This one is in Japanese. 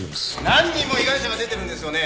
何人も被害者が出てるんですよね？